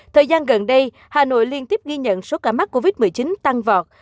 thời gian gần đây hà nội liên tiếp ghi nhận số ca mắc covid một mươi chín tăng vọt